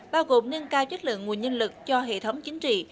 bao gồm nâng cao chất lượng nguồn nhân lực cho hệ thống chính trị